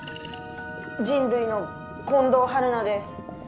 人類の近藤春菜です。